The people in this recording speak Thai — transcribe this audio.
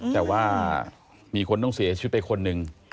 แต่ว่ามีคนต้องเสียชีวิตไปคนหนึ่ง